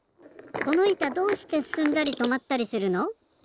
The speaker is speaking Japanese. このいたどうしてすすんだりとまったりするの？